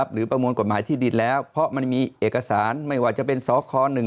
ประมวลกฎหมายที่ดินแล้วเพราะมันมีเอกสารไม่ว่าจะเป็นสค๑๒